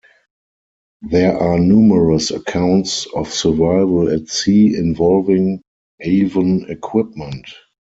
There are numerous accounts of survival at sea involving Avon equipment.